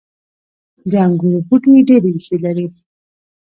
• د انګورو بوټي ډیرې ریښې لري.